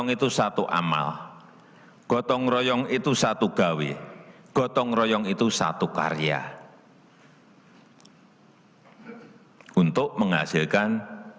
itu satu amal gotong royong itu satu gawe gotong royong itu satu karya untuk menghasilkan